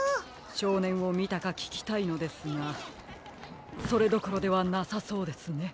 しょうねんをみたかききたいのですがそれどころではなさそうですね。